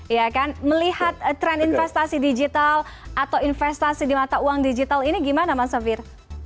ya kan melihat tren investasi digital atau investasi di mata uang digital ini gimana mas safir